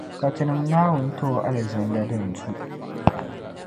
Ka tinim’ Naawuni ti o Alizanda din du.